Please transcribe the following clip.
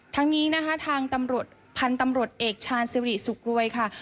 ทั้งนี้นะคะทางตำรวจพันธุ์ตำรวจเอกชาญสิริสุกรวยค่ะ